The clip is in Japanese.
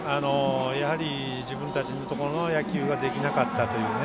やはり自分たちのところの野球ができなかったというね。